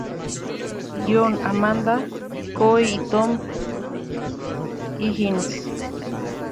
Guion: Amanda Coe y Tom Higgins.